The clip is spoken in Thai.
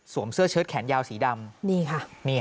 เสื้อเชิดแขนยาวสีดำนี่ค่ะ